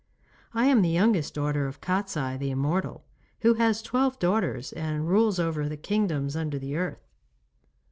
I am the youngest daughter of Kostiei the immortal, who has twelve daughters and rules over the kingdoms under the earth.